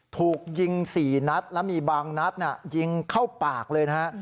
ถูกยิง๔นัดแล้วมีบางนัดยิงเข้าปากเลยนะฮะ